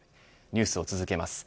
ニュースを続けます。